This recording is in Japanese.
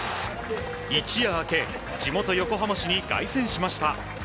一夜明け、地元・横浜市に凱旋しました。